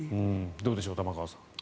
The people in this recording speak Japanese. どうでしょう玉川さん。